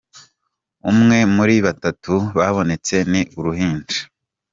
Umwe muri batatu babonetse ni uruhinja.